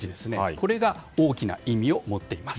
これが大きな意味を持っています。